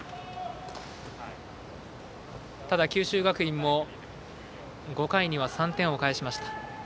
ただ、九州学院も５回には３点を返しました。